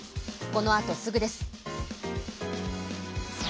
このあとすぐです。